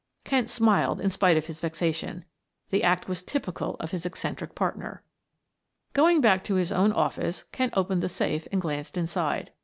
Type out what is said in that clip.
Kent smiled in spite of his vexation; the act was typical of his eccentric partner. Going back to his own office Kent opened the safe and glanced inside.